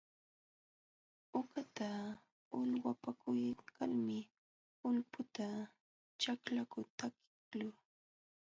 Uqata ulyapakuykalmi ulputa ćhaklaćhu taliqluu.